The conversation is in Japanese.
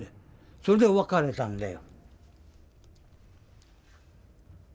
それで別れたんだよ。